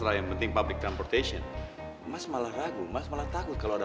lagian mendingan ibu ngobrol sama aku aja